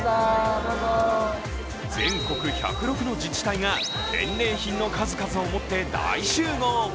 全国１０６の自治体が返礼品の数々を持って大集合。